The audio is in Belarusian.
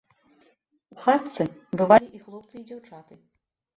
У хатцы бывалі і хлопцы і дзяўчаты.